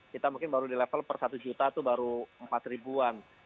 kita mungkin baru di level per satu juta itu baru empat ribuan